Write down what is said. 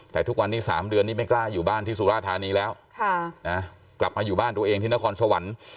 แต่ทุกวันนี้๓เดือนนี้ไม่กล้าอยู่บ้านที่สุราธานีแล้วกลับมาอยู่บ้านตัวเองที่นครสวรรค์